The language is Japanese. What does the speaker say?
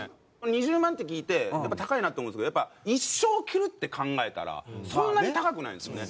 ２０万って聞いてやっぱ高いなって思うんですけどやっぱ一生着るって考えたらそんなに高くないんですよね。